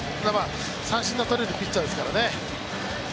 三振のとれるピッチャーですからね。